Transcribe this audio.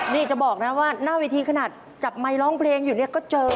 นี่จะบอกนะว่าหน้าเวทีขนาดจับไมค์ร้องเพลงอยู่เนี่ยก็เจอ